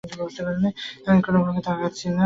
আমি কোনোভাবেই তাকাচ্ছি না।